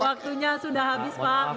waktunya sudah habis pak